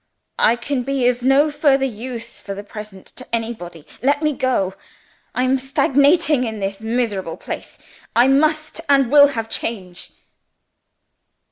"I can be of no further use for the present to anybody. Let me go. I am stagnating in this miserable place I must, and will, have change."